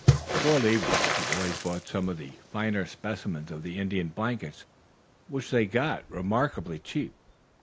Before leaving, the boys bought some of the finer specimens of the Indian blankets, which they got remarkably cheap.